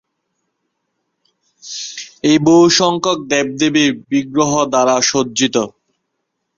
এটি বহুসংখ্যক দেবদেবীর বিগ্রহ দ্বারা সজ্জিত।